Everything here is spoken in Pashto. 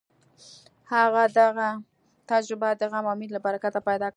هغه دغه تجربه د غم او مینې له برکته پیدا کړه